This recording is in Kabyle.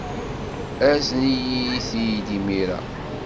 Azen-iyi-t-id imir-a.